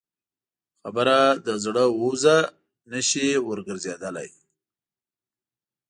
خبره له زړه ووځه، نه شې ورګرځېدلی.